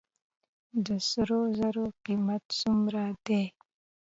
د سرو زرو قیمت څومره دی؟